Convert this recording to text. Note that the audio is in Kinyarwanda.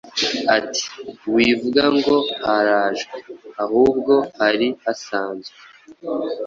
ati” Wivuga ngo harajwe, ahubwo hari hasanzwe!”